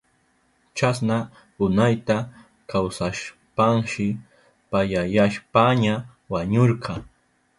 Chasna unayta kawsashpanshi payayashpaña wañurka.